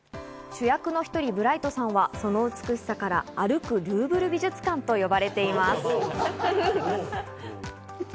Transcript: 主役の１人、ブライトさんはその美しさから、歩くルーヴル美術館と呼ばれています。